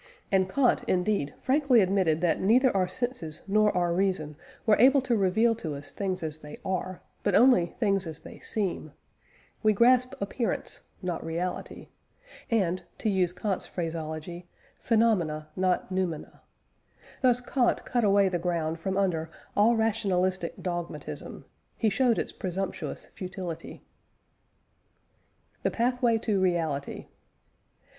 And Kant indeed frankly admitted that neither our senses nor our reason were able to reveal to us things as they are, but only things as they seem; we grasp appearance, not reality, and (to use Kant's phraseology) phenomena not noumena. Thus Kant cut away the ground from under all rationalistic dogmatism; he shewed its presumptuous futility. THE PATHWAY TO REALITY.